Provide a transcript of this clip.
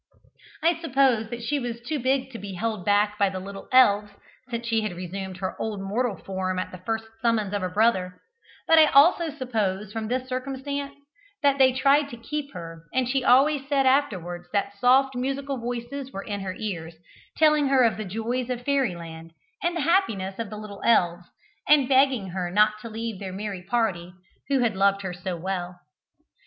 I suppose that she was too big to be held back by the little elves, since she had resumed her old mortal form at the first summons of her brother; but I also suppose from this circumstance that they tried to keep her, and she always said afterwards, that soft musical voices were in her ears, telling her of the joys of fairy land and the happiness of the little elves, and begging her not to leave their merry party who had loved her so well.